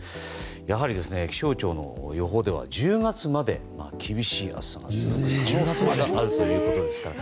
やはり、気象庁の予報では１０月まで厳しい暑さが続くだろうということですから。